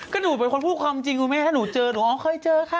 ก็หนูเป็นคนพูดความจริงคุณแม่ถ้าหนูเจอหนูอ๋อเคยเจอค่ะ